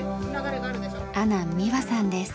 阿南妙和さんです。